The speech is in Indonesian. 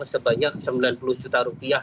sebanyak sembilan puluh juta rupiah